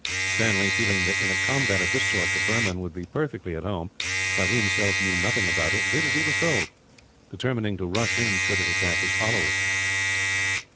Stanley, feeling that in a combat of this sort the Burman would be perfectly at home, while he himself knew nothing about it, did as he was told; determining to rush in, should it attack his follower.